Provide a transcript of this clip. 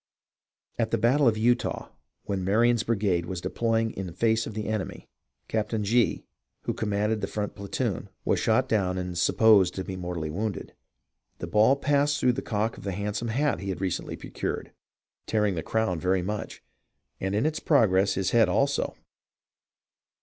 At the battle of Eutaw, when Marion's brigade was deploying in face of the enemy, Captain Gee, who com manded the front platoon, was shot down and supposed to be mortally wounded. The ball passed through the cock of the handsome hat he had recently procured, tear ing the crown very much, and in its progress his head also.